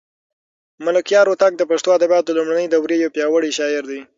ملکیار هوتک د پښتو ادبیاتو د لومړنۍ دورې یو پیاوړی شاعر دی.